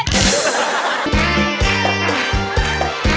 นั่นแค่